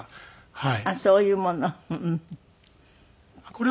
はい。